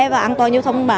và an toàn giao thông